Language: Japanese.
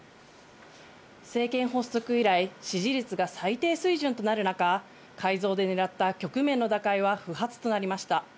政権発足以来、支持率が最低水準となる中、改造で狙った局面の打開は不発となりました。